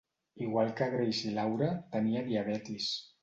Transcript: Igual que Grace i Laura, tenia diabetis.